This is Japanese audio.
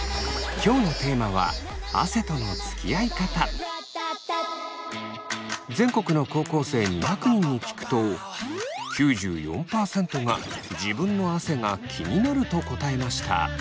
今日のテーマは全国の高校生２００人に聞くと９４％が自分の汗が気になると答えました。